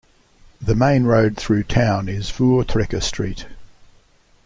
The main road through town is Voortrekker Street.